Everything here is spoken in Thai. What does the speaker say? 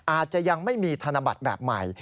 อาจจะยังไม่มีธนบัตรแบบใหม่